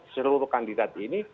seluruh kandidat ini